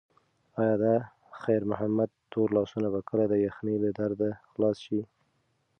ایا د خیر محمد تور لاسونه به کله د یخنۍ له درده خلاص شي؟